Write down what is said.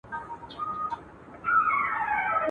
مرغلري په ګرېوان او په لمن کي.